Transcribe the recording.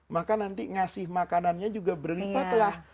maka nanti ngasih makanannya juga berlipatlah